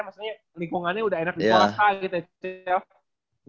maksudnya lingkungannya udah enak di swasta gitu ya cel